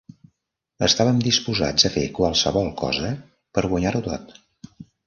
Estàvem disposats a fer qualsevol cosa per guanyar-ho tot.